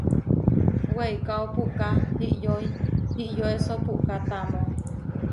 Weikáo puʼká iʼyoi iʼyoeso puʼká tamó.